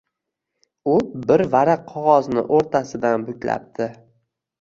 U bir varaq qog`ozni o`rtasidan buklabdi